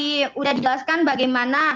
sudah dijelaskan bagaimana